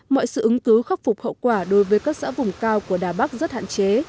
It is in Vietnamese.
mọi sự ứng cứu khắc phục hậu quả đối với các xã vùng cao của đà bắc rất hạn chế